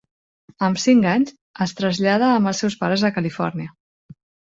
Amb cinc anys, es trasllada amb els seus pares a Califòrnia.